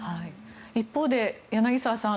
一方で柳澤さん